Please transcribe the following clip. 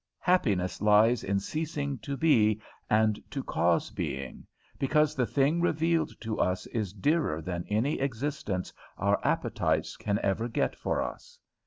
Happiness lies in ceasing to be and to cause being, because the thing revealed to us is dearer than any existence our appetites can ever get for us.